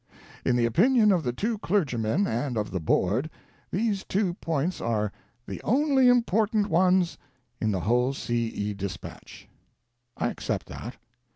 In the opinion of the two clergymen and of the Board, these two points are the only important ones in the whole C. E. dispatch. I accept that.